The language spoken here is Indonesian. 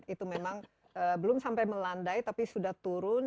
itu memang belum sampai melandai tapi sudah turun